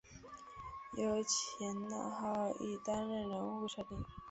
由前纳浩一担任人物设定。